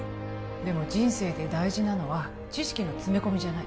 でも人生で大事なのは知識の詰め込みじゃない